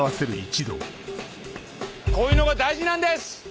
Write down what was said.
こういうのが大事なんです。